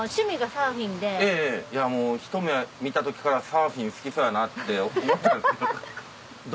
ひと目見た時からサーフィン好きそうやなって思ったんですけど。